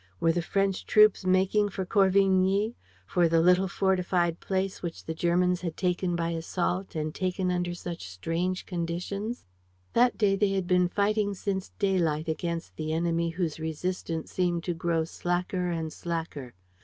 ... Were the French troops making for Corvigny, for the little fortified place which the Germans had taken by assault and taken under such strange conditions? That day, they had been fighting since daylight against an enemy whose resistance seemed to grow slacker and slacker.